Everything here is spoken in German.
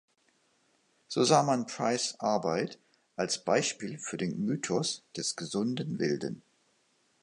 So sah man Price' Arbeit als Beispiel für den Mythos des gesunden "Wilden".